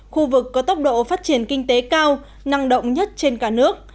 khu vực có tốc độ phát triển kinh tế cao năng động nhất trên cả nước